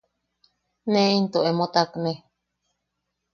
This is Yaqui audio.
–ne into emo takne.